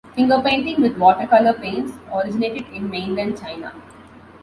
Fingerpainting with watercolor paints originated in mainland China.